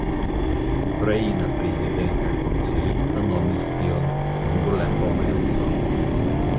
Ukraina Prezidenta konsilisto nomis tion ""nur la komenco"".